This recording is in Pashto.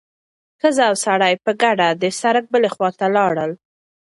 ښځه او سړی په ګډه د سړک بلې خوا ته لاړل.